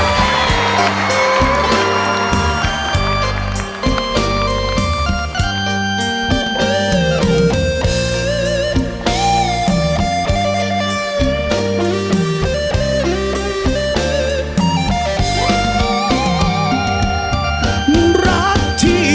เมื่อถูกสายตาเจ้าคอยเท